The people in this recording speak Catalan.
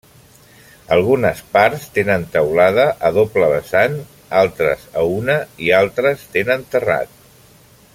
Algunes parts tenen teulada a doble vessant, altres a una i altres tenen terrat.